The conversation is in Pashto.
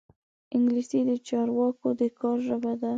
انګلیسي د چارواکو د کار ژبه ده